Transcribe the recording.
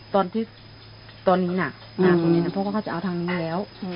ตอนที่ตอนนี้หนักหนักตรงนี้พ่อเขาจะเอาทางนี้แล้ว